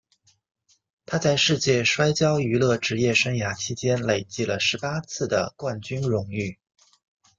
他在世界摔角娱乐职业生涯期间累计了十八次的冠军荣誉。